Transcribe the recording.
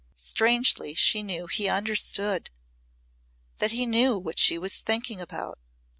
Strangely she knew he understood that he knew what she was thinking about.